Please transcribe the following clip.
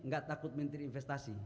gak takut menteri investasi